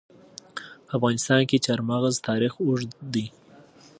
په افغانستان کې د چار مغز تاریخ اوږد دی.